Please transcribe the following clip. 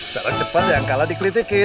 saran cepat yang kalah dikritikin